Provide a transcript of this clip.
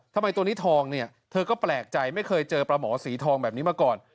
ทำไมตัวนี้ทองเนี่ยเธอก็แปลกใจไม่เคยเจอปลาหมอสีทองแบบนี้มาก่อน